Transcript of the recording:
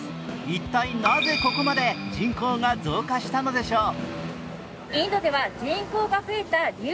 一体なぜ、ここまで人口が増加したのでしょう。